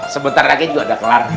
sebentar lagi juga ada kelar